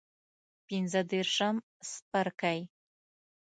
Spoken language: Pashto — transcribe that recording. پنځه دیرشم څپرکی